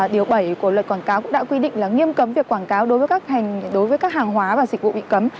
điều bảy của luật quảng cáo cũng đã quy định là nghiêm cấm việc quảng cáo đối với các hàng hóa và dịch vụ bị cấm